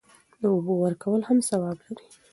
د اوبو ورکول هم ثواب لري.